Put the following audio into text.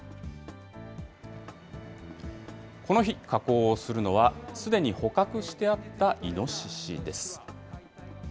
この日、加工をするのはすでに捕獲してあったイノシシです。